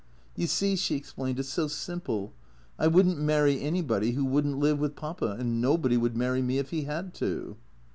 You see," she explained, "it's so simple. I wouldn't marry anybody who would n't live with Papa. And nobody would marry me if he had to."